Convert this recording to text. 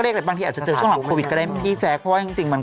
เดี๋ยวเดี๋ยวเดินรายการจะเดินรอบถึงเลยนะ